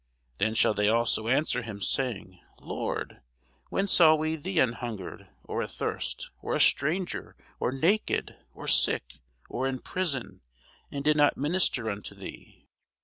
Then shall they also answer him, saying, Lord, when saw we thee an hungred, or athirst, or a stranger, or naked, or sick, or in prison, and did not minister unto thee?